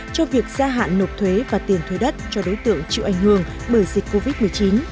cho việc gia hạn nộp thuế và tiền thuế đất cho đối tượng chịu ảnh hưởng bởi dịch covid một mươi chín